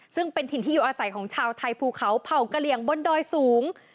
ซึ่งเป็นถิ่นที่อยู่อาศัยของชาวไทยภูเขาเผ่ากะเหลี่ยงบนดอยสูง